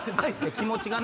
気持ちがね。